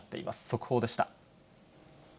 速報でした。